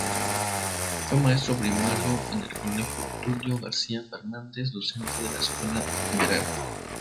Fue maestro primario en el colegio Tulio García Fernández; docente de la escuela Gral.